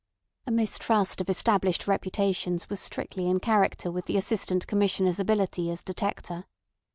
A mistrust of established reputations was strictly in character with the Assistant Commissioner's ability as detector.